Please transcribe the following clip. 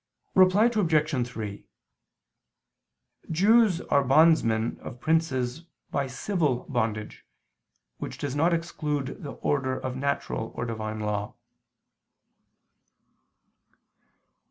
Reply Obj. 3: Jews are bondsmen of princes by civil bondage, which does not exclude the order of natural or Divine law.